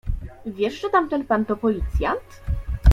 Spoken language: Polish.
Wiesz, że tamten pan to policjant?